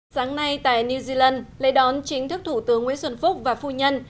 sáng nay tại new zealand lễ đón chính thức thủ tướng nguyễn xuân phúc và phu nhân